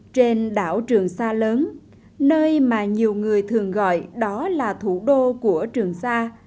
trên đảo trường sa lớn nơi mà nhiều người thường gọi đó là thủ đô của trường sa